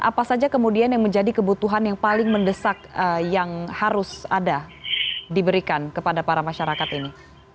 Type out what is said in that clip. apa saja kemudian yang menjadi kebutuhan yang paling mendesak yang harus ada diberikan kepada para masyarakat ini